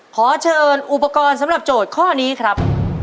ขอเชิญอุปกรณ์สำหรับโจทย์ข้อนี้ครับ